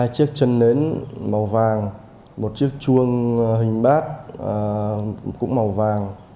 hai chiếc chân nến màu vàng một chiếc chuông hình bát cũng màu vàng